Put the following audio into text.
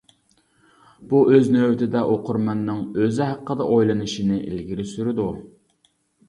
بۇ ئۆز نۆۋىتىدە ئوقۇرمەننىڭ ئۆزى ھەققىدە ئويلىنىشىنى ئىلگىرى سۈرىدۇ.